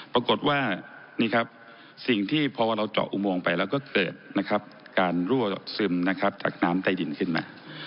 ปรากฏว่านี่ครับสิ่งที่พอเราเจาะอุโมงไปแล้วก็เกิดนะครับการรั่วซึมนะครับจากน้ำใต้ดินขึ้นมา